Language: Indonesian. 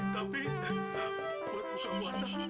tapi buat buka puasa